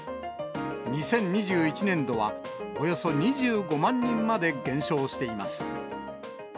２０２１年度はおよそ２５万人まで減少しています。